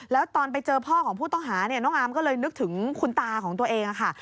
แล้วตอนไปเจอพ่อของผู้ต้องหาเนี่ยน้องอาร์มก็เลยนึกถึงคุณตาของตัวเองค่ะ